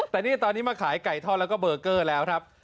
แต่นี่ตอนนี้มาขายไก่ทอดแล้วก็เบอร์เกอร์แล้วครับ